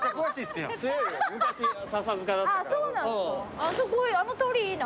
あそこあの通りいいな。